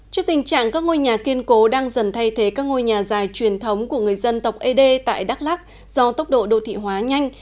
trước tình trạng các ngôi nhà kiên cố đang dần thay thế các ngôi nhà dài truyền thống của người dân tộc ế đê tại đắk lắc do tốc độ đô thị hóa nhanh